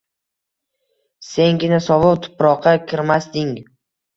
Sengina sovuq tuproqqa kirmasding